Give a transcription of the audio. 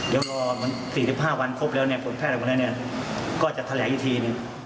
เดี๋ยวรอเหมือน๔๕วันครบแล้วเนี่ยผลแพทย์กับเราเนี่ยก็จะแทรกอย่างนี้